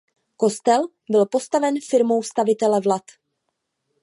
Kostel byl postaven firmou stavitele Vlad.